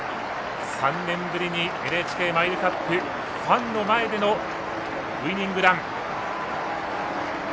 ３年ぶりにＮＨＫマイルカップファンの前でのウイニングラン。